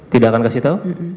tidak akan kasih tau